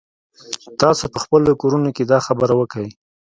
تاسو په خپلو کورونو کښې دا خبره وکئ.